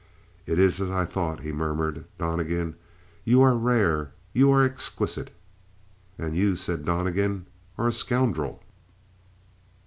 "It is as I thought," he murmured. "Donnegan, you are rare; you are exquisite!" "And you," said Donnegan, "are a scoundrel."